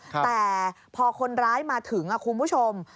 แต่พอคนร้ายมาถึงคุณผู้ชม